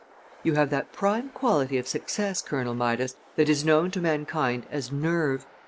You have that prime quality of success, Colonel Midas, that is known to mankind as nerve.